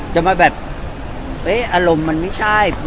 จะมาแบบเอ๊ะอารมณ์มันไม่ใช่